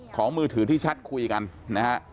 ของมือถือที่ชัดคุยกัน